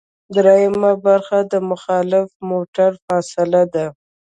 دریمه برخه د مخالف موټر فاصله ده